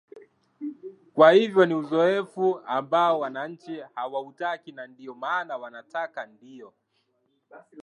kwa hivyo ni uzoefu ambao wananchi hawautaki na ndio maana wanataka ndio